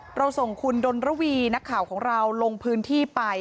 เราส่งคุณดนระวีนักข่าวของเราลงพื้นที่ไป